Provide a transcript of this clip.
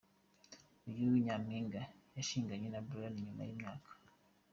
Uyu nyampinga arushinganye na Brayan nyuma yimyaka.